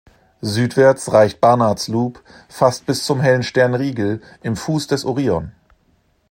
Südwärts reicht Barnard’s Loop fast bis zum hellen Stern Rigel im Fuß des Orion.